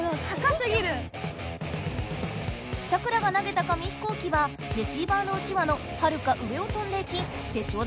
サクラが投げた紙飛行機はレシーバーのうちわのはるか上を飛んでいきテッショウ